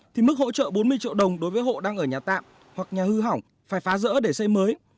thì mức hỗ trợ bốn mươi triệu đồng đối với hộ đang ở nhà tạm hoặc nhà hư hỏng phải phá rỡ để xây mới